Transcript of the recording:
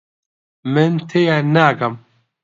من تێیان ناگەم.